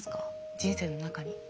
人生の中に。